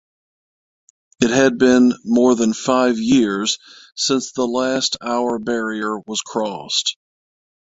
It had been more than five years since the last hour barrier was crossed.